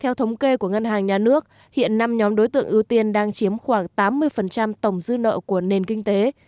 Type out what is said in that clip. theo thống kê của ngân hàng nhà nước hiện năm nhóm đối tượng ưu tiên đang chiếm khoảng tám mươi tổng dư nợ của nền kinh tế